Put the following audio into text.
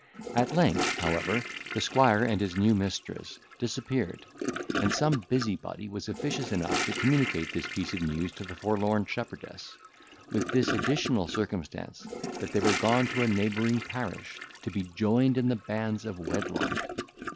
At length, however, the squire and his new mistress disappeared; and some busybody was officious enough to communicate this piece of news to the forlorn shepherdess, with this additional circumstance, that they were gone to a neighbouring parish to be joined in the bands of wedlock.